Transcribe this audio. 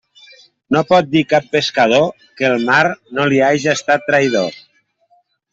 No pot dir cap pescador que el mar no li haja estat traïdor.